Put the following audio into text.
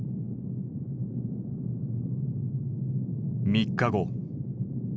３日後。